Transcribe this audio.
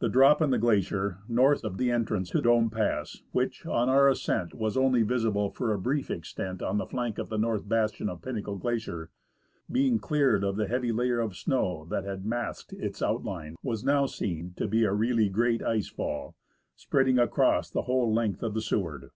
The drop in the glacier, north of the entrance to Dome Pass, which, on our ascent, was only visible for a brief extent on the flank of the north bastion FLOWERY SLOPE ON THE HITCHCOCK HILLS. of Pinnacle Glacier, being cleared of the heavy layer of snow that had masked its outline, was now seen to be a really great ice fall, spreading across the whole length of the Seward.